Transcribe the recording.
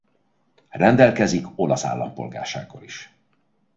Rendelkezik olasz állampolgársággal is.